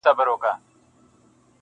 خلک خپل ژوند ته ځي تل,